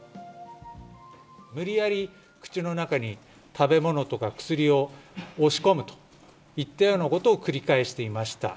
無理やり口の中に食べ物とか薬を押し込むといったようなことを繰り返していました。